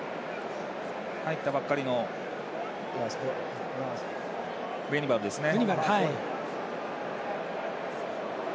入ったばかりのブニバルですね。